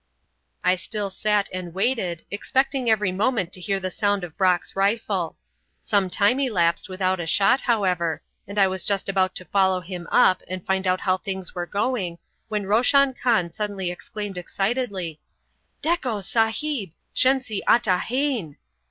I still sat and waited, expecting every moment to hear the sound of Brock's rifle. Some time elapsed without a shot, however, and I was just about to follow him up and find out how things were going, when Roshan Khan suddenly exclaimed excitedly: "Dekko, Sahib, shenzi ata hain!"